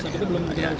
rawat jalan mas